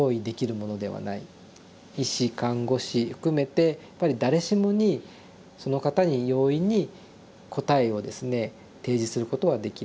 医師看護師含めてやっぱり誰しもにその方に容易に答えをですね提示することはできない。